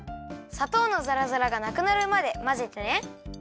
さとうのザラザラがなくなるまでまぜてね。